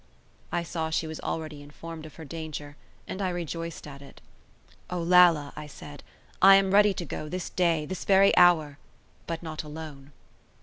I saw she was already informed of her danger, and I rejoiced at it. "Olalla," I said, "I am ready to go this day, this very hour, but not alone."